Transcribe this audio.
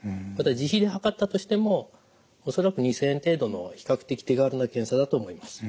自費で測ったとしても恐らく２，０００円程度の比較的手軽な検査だと思います。